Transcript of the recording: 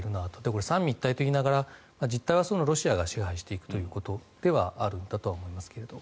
これ、三位一体と言いながら実態はロシアが支配していくということではあるんだと思いますが。